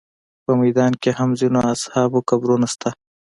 په میدان کې هم د ځینو اصحابو قبرونه شته.